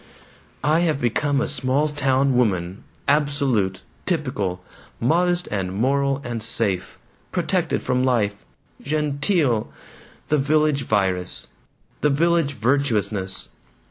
"I have become a small town woman. Absolute. Typical. Modest and moral and safe. Protected from life. GENTEEL! The Village Virus the village virtuousness.